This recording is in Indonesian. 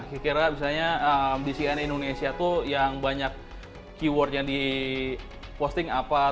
kira kira misalnya di cnn indonesia tuh yang banyak keywordnya di posting apa